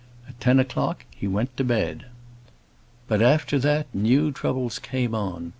At ten o'clock he went to bed. But after that new troubles came on.